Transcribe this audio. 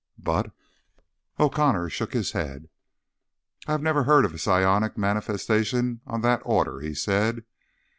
"But—" O'Connor shook his head. "I have never heard of a psionic manifestation on that order," he said.